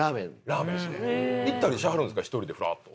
行ったりしはるんですか１人でふらっと。